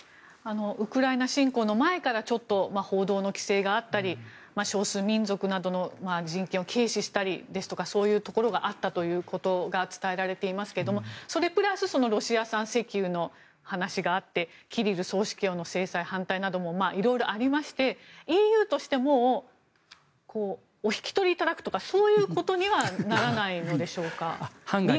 ウクライナ侵攻の前から報道の規制があったり少数民族などの人権を軽視したりですとかそういうところがあったということが伝えられていますけれどそれプラスロシア産石油の話があってキリル総主教の制裁反対なども色々ありまして、ＥＵとしてもお引き取りいただくとかそういうことにはならないのでしょうか？